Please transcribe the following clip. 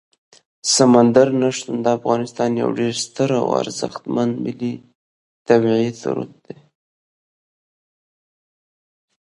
سمندر نه شتون د افغانستان یو ډېر ستر او ارزښتمن ملي طبعي ثروت دی.